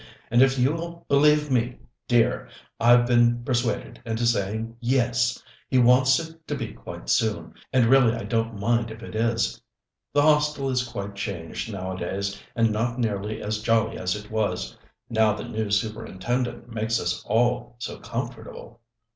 And if you'll believe me, dear, I've been persuaded into saying yes. He wants it to be quite soon, and really I don't mind if it is; the Hostel is quite changed nowadays, and not nearly as jolly as it was, now the new Superintendent makes us all so comfortable.